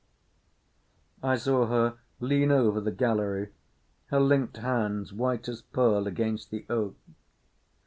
I saw her lean over the gallery, her linked hands white as pearl against the oak.